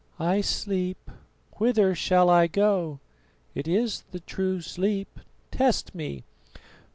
"I sleep. Whither shall I go? It is the true sleep test me."